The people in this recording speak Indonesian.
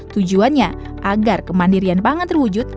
tujuannya agar kemandirian pangan terwujud